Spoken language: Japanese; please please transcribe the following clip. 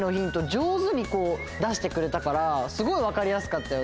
じょうずに出してくれたからすごいわかりやすかったよね。